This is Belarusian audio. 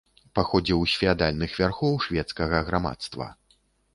Паходзіў з феадальных вярхоў шведскага грамадства.